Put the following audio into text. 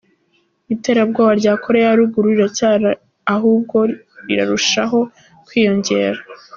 Iterabwoba rya Koreya ya Ruguru riracyahari ahubwo rirarushaho kwiyongera.